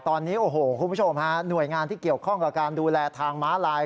ตอนนี้โอ้โหคุณผู้ชมฮะหน่วยงานที่เกี่ยวข้องกับการดูแลทางม้าลาย